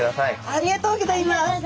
ありがとうございます。